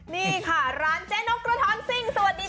นี่ค่ะร้านเจ๊นกกระท้อนซิ่งสวัสดีค่ะ